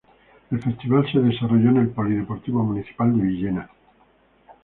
El festival se desarrolló en el Polideportivo Municipal de Villena.